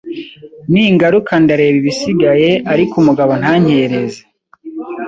ningaruka ndareba ibisigaye ariko umugabo ntankereze